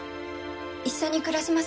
一緒に暮らしませんか？